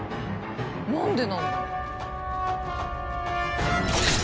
何でなんだろ？